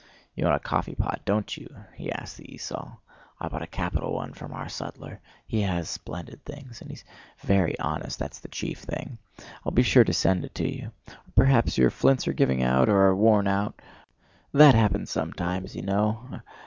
"You want a coffeepot, don't you?" he asked the esaul. "I bought a capital one from our sutler! He has splendid things. And he's very honest, that's the chief thing. I'll be sure to send it to you. Or perhaps your flints are giving out, or are worn out—that happens sometimes, you know.